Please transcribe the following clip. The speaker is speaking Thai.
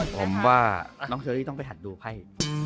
ผมว่าน้องเชอรี่ต้องไปหัดดูไพ่